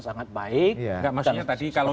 sangat baik makanya tadi kalau